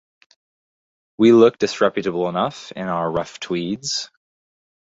We look disreputable enough in our rough tweeds.